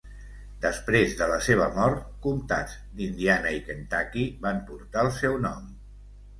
Després de la seva mort, comtats d'Indiana i Kentucky van portar el seu nom.